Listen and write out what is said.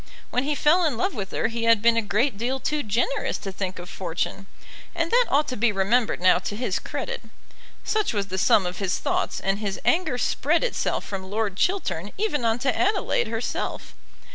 When he fell in love with her he had been a great deal too generous to think of fortune, and that ought to be remembered now to his credit. Such was the sum of his thoughts, and his anger spread itself from Lord Chiltern even on to Adelaide herself.